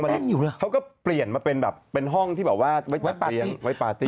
มันเป็นแป้งอยู่หรือหรือเขาก็เปลี่ยนมาเป็นแบบเป็นห้องที่บอกว่าไว้จับเตียงไว้ปาร์ตี้